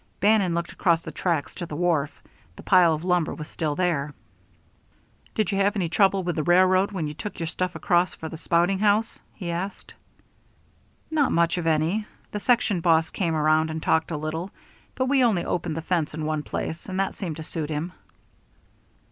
Bannon looked across the tracks to the wharf; the pile of timber was still there. "Did you have any trouble with the railroad when you took your stuff across for the spouting house?" he asked. "Not much of any. The section boss came around and talked a little, but we only opened the fence in one place, and that seemed to suit him."